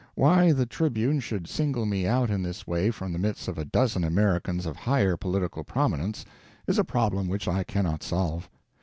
Why 'The Tribune' should single me out in this way from the midst of a dozen Americans of higher political prominence, is a problem which I cannot solve.